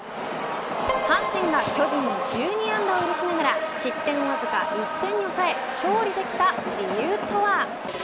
阪神が巨人に１２安打を許しながら失点わずか１点に抑え勝利できた理由とは。